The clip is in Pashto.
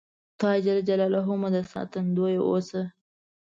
خدای ج مو ساتندویه اوسه